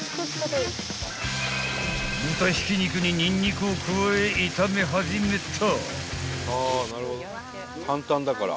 ［豚ひき肉にニンニクを加え炒め始めた］